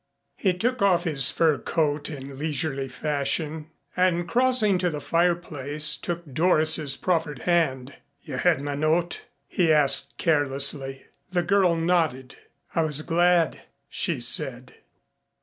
He took off his fur coat in leisurely fashion and crossing to the fireplace took Doris's proffered hand. "You had my note?" he asked carelessly. The girl nodded. "I was glad," she said.